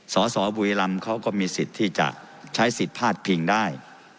สสบุรีรำเขาก็มีสิทธิ์ที่จะใช้สิทธิ์พาดพิงได้